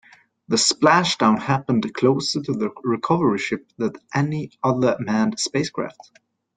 The splashdown happened closer to the recovery ship than any other manned spacecraft.